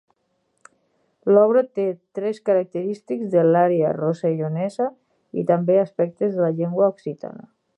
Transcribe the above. L'obra té trets característics de l'àrea rossellonesa i també aspectes de la llengua occitana.